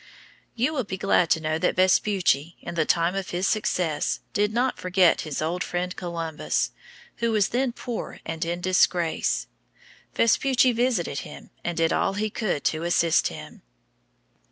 You will be glad to know that Vespucci, in the time of his success, did not forget his old friend Columbus, who was then poor and in disgrace. Vespucci visited him and did all he could to assist him.